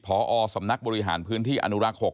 ผอสำนักบริหารพื้นที่อนุราคก